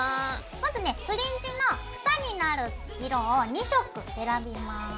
まずねフリンジの房になる色を２色選びます。